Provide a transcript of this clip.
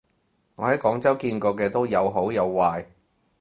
我喺廣州見過嘅都有好有壞